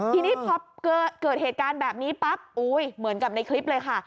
ทีนี้พอเกิดเหตุการณ์แบบนี้ปั๊บเหมือนกับในคลิปเลยค่ะ